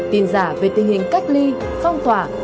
tin giả về tình hình cách ly phong tỏa